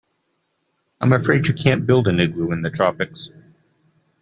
I'm afraid you can't build an igloo in the tropics.